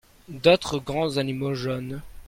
D'autres grands animaux jaunes.